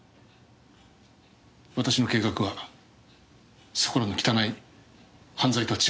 私の計画はそこらの汚い犯罪とは違います。